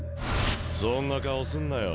そんな顔すんなよ。